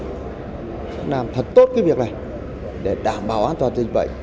chúng làm thật tốt cái việc này để đảm bảo an toàn dịch bệnh